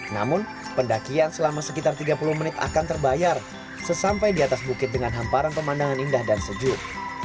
namun pendakian selama sekitar tiga puluh menit akan terbayar sesampai di atas bukit dengan hamparan pemandangan indah dan sejuk